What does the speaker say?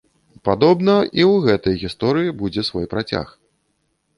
Падобна, і ў гэтай гісторыі будзе свой працяг.